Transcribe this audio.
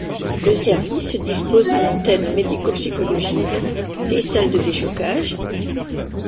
Le service dispose d'une antenne médico psychologique, des salles de déchocages.